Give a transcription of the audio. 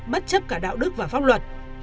bất chấp cả đạo đức và pháp luật